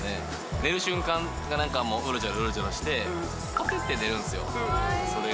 寝る瞬間がなんかもう、うろちょろうろちょろして、こてって寝るんですよ。